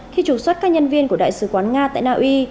khi trục xuất các nhân viên của đại sứ quán nga tại naui